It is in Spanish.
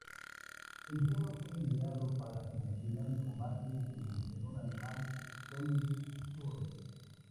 El tema fue ideado para promocionar el combate del boxeador alemán Felix Sturm.